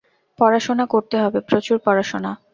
পড়াশোনা করতে হবে, প্রচুর পড়াশোনা।